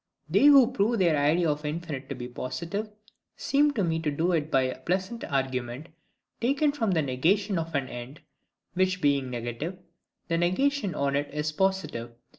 They who would prove their idea of infinite to be positive, seem to me to do it by a pleasant argument, taken from the negation of an end; which being negative, the negation on it is positive.